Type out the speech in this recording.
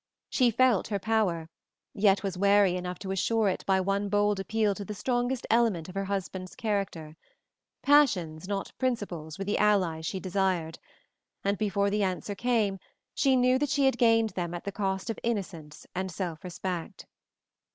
She felt her power, yet was wary enough to assure it by one bold appeal to the strongest element of her husband's character: passions, not principles, were the allies she desired, and before the answer came she knew that she had gained them at the cost of innocence and self respect.